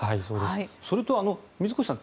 それと水越さん